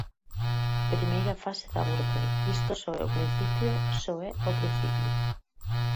Primeira fase da Gürtell, isto só é o principio, só é o principio.